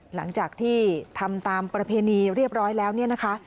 หลังจากที่ทำตามประเพณีเรียบร้อยแล้วเนี่ยนะคะ